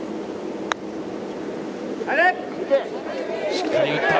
しっかり打った。